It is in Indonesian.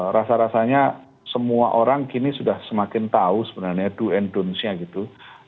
rasa rasanya semua orang kini sudah semakin tahu sebenarnya do and don't nya gitu